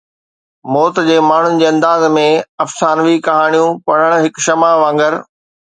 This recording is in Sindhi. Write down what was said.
موت جي ماڻهن جي انداز ۾، افسانوي ڪهاڻيون پڙهڻ هڪ شمع وانگر آهي